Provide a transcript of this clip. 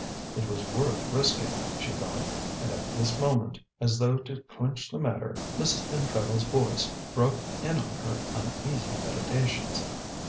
It was worth risking, she thought, and at this moment, as though to clinch the matter, Mrs. Pentreddle's voice broke in on her uneasy meditations.